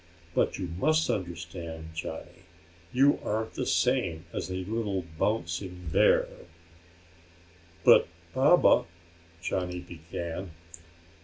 But you must understand, Johnny, you aren't the same as a little bouncing bear." "But Baba " Johnny began.